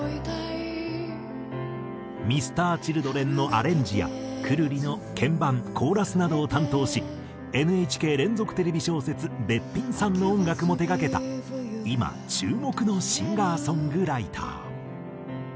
Ｍｒ．Ｃｈｉｌｄｒｅｎのアレンジやくるりの鍵盤コーラスなどを担当しＮＨＫ連続テレビ小説『べっぴんさん』の音楽も手がけた今注目のシンガーソングライター。